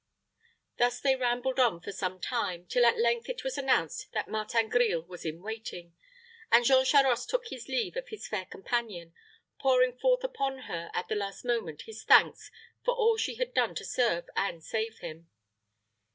Thus they rambled on for some time, till at length it was announced that Martin Grille was in waiting; and Jean Charost took his leave of his fair companion, pouring forth upon her at the last moment his thanks for all she had done to serve and save him.